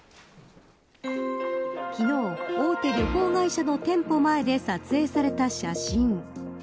昨日、大手旅行会社の店舗前で撮影された写真。